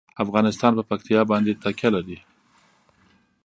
افغانستان په پکتیا باندې تکیه لري.